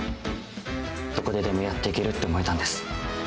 どこででもやっていけるって思えたんです。